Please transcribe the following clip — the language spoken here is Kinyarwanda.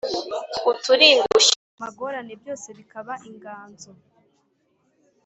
uturingushyo, amagorane byose bikaba inganzo